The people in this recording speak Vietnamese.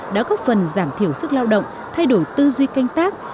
đã góp phần giảm thiểu sức lao động thay đổi tư duy canh tác